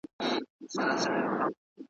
ته به راځې او زه به تللی یمه ,